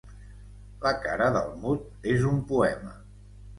La cara del Mud és un poema.